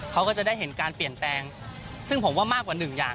เขาก็จะได้เห็นการเปลี่ยนแปลงซึ่งผมว่ามากกว่าหนึ่งอย่าง